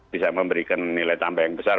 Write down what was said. bisa memberikan nilai tambah yang besar